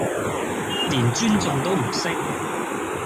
連尊重都唔識